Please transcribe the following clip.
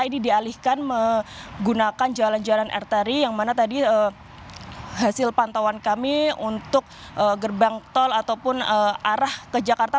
ini dialihkan menggunakan jalan jalan arteri yang mana tadi hasil pantauan kami untuk gerbang tol ataupun arah ke jakarta